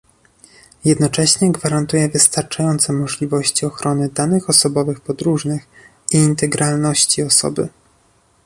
Jednocześnie gwarantuje wystarczające możliwości ochrony danych osobowych podróżnych i integralności osoby